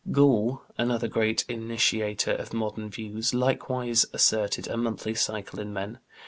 Gall, another great initiator of modern views, likewise asserted a monthly cycle in men.